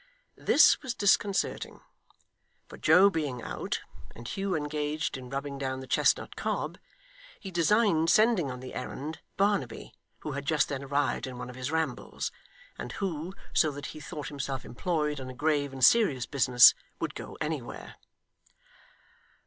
This was disconcerting; for Joe being out, and Hugh engaged in rubbing down the chestnut cob, he designed sending on the errand, Barnaby, who had just then arrived in one of his rambles, and who, so that he thought himself employed on a grave and serious business, would go anywhere.